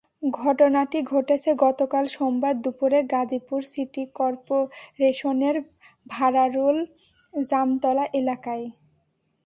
ঘটনাটি ঘটেছে গতকাল সোমবার দুপুরে গাজীপুর সিটি করপোরেশনের ভারারুল জামতলা এলাকায়।